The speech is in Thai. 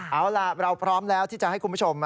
เอาล่ะเราพร้อมแล้วที่จะให้คุณผู้ชม